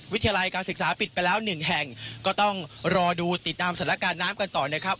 วิทยาลัยการศึกษาปิดไปแล้วหนึ่งแห่งก็ต้องรอดูติดตามสถานการณ์น้ำกันต่อนะครับ